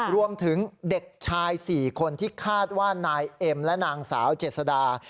รวมถึงเด็กชาย๔คนที่คาดว่านายเอ็มและนางสาวเจษดา